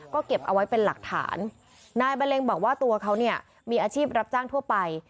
ก็เก็บเอาไว้เป็นหลักฐานนายบันเลงบอกว่าตัวเขาเนี่ยมีอาชีพรับจ้างทั่วไป